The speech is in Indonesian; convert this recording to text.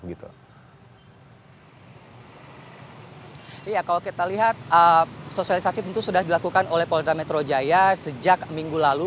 iya kalau kita lihat sosialisasi tentu sudah dilakukan oleh polda metro jaya sejak minggu lalu